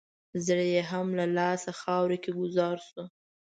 زړه یې هم له لاسه خاورو کې ګوزار شو.